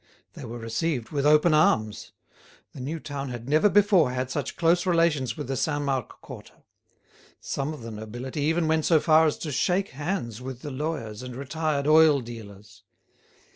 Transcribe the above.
They were received with open arms. The new town had never before had such close relations with the Saint Marc quarter: some of the nobility even went so far as to shake hands with lawyers and retired oil dealers.